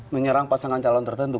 menyerang pasangan calon tertentu